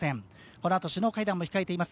このあと首脳会談も控えています